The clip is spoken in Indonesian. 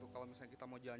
kalau misalnya kita mau jalan